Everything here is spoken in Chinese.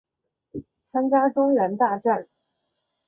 参加中原大战。